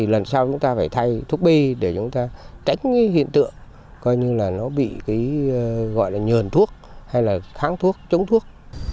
lần sau chúng ta phải thay thuốc bi để chúng ta tránh hiện tượng coi như là nó bị cái gọi là nhờn thuốc hay là kháng thuốc chống thuốc